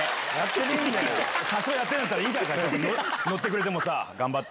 多少やってるならいいじゃんか、乗ってくれてもさ。頑張って。